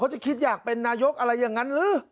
จะคิดอยากเป็นนายกอะไรอย่างนั้นหรือ